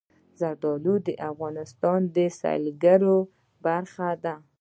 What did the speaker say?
زردالو د افغانستان د سیلګرۍ برخه ده.